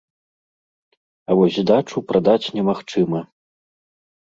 А вось дачу прадаць немагчыма.